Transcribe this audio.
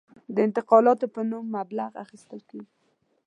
د انتقالاتو په نوم مبلغ اخیستل کېږي.